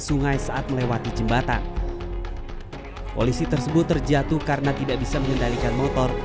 sungai saat melewati jembatan polisi tersebut terjatuh karena tidak bisa mengendalikan motor